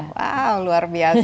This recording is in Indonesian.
wow luar biasa